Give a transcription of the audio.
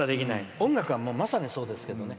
音楽は、まさにそうですけどね。